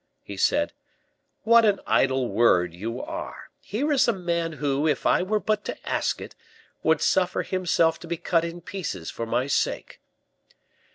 he said, "what an idle word you are! Here is a man who, if I were but to ask it, would suffer himself to be cut in pieces for my sake."